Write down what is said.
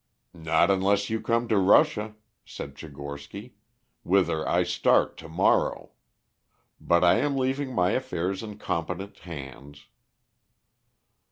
"Not unless you come to Russia," said Tchigorsky, "whither I start to morrow. But I am leaving my affairs in competent hands."